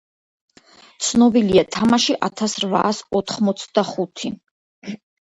ცნობილია: თამაში ათას რვაას ოთხმოცდახუთი